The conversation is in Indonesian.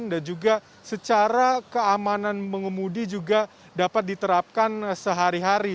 dan juga secara keamanan mengemudi juga dapat diterapkan sehari hari